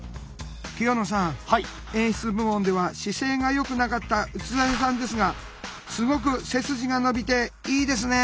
清野さん演出部門では姿勢がよくなかった内添さんですがすごく背筋が伸びていいですね。